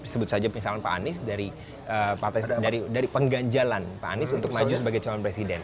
sebut saja misalnya pak anies dari pengganjalan pak anies untuk maju sebagai calon presiden